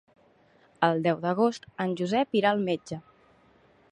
El deu d'agost en Josep irà al metge.